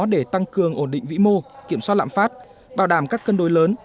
để tăng cường ổn định vĩ mô kiểm soát lãm phát bảo đảm các cân đối lớn